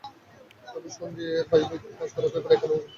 তবে, সঞ্জয়ের বায়োপিকে কাজ করার ব্যাপারে এখনও কোন সিদ্ধান্ত নেননি তিনি।